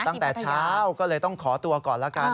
ตั้งแต่เช้าก็เลยต้องขอตัวก่อนละกัน